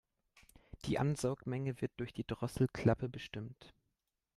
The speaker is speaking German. Die Ansaugmenge wird durch die Drosselklappe bestimmt.